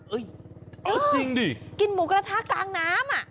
เอาจริงดิกินหมูกระทะกลางน้ำอ่ะ